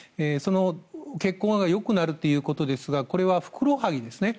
血行がよくなるということですがこれはふくらはぎですね